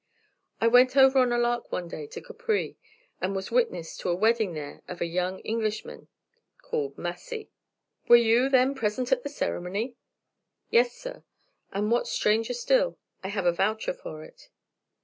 I went over on a lark one day to Capri, and was witness to a wedding there of a young Englishman called Massy." "Were you, then, present at the ceremony?" "Yes, sir; and what's stranger still, I have a voucher for it."